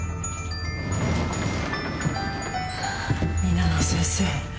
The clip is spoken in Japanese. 皆川先生。